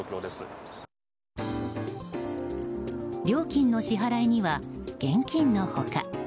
料金の支払いには現金の他